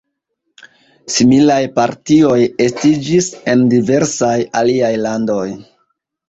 Similaj partioj estiĝis en diversaj aliaj landoj.